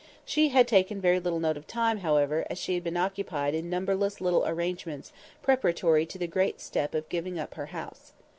She had taken very little note of time, however, as she had been occupied in numberless little arrangements preparatory to the great step of giving up her house.